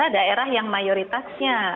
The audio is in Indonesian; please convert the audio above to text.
daerah yang mayoritasnya